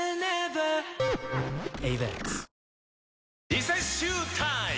リセッシュータイム！